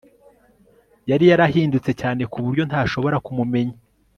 yari yarahindutse cyane kuburyo ntashobora kumumenya